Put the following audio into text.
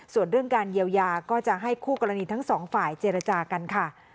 ส่วนเรื่องการเยียวยาก็จะให้คู่กรณีทั้งสองฝ่ายเจรจากันค่ะ